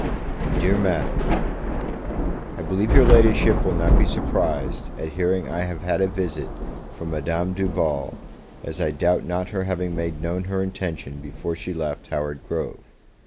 Dear Madam, I BELIEVE your Ladyship will not be surprised at hearing I have had a visit from Madame Duval, as I doubt not her having made known her intention before she left Howard Grove.